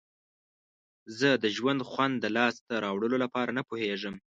زه د ژوند خوند د لاسته راوړلو لپاره نه پوهیږم.